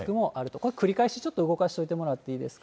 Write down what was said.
これ、繰り返し、ちょっと動かしておいてもらっていいですか。